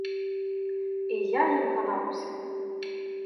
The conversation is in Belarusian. І я ім ганаруся.